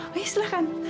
oh ya silahkan